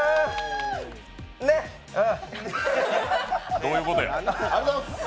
どういうことや？